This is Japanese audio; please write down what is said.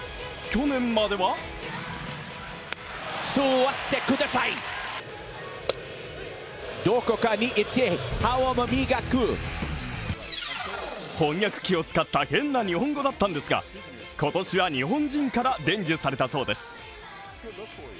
去年までは翻訳機を使った変な日本語だったんですが今年は、日本人から伝授されたそうです。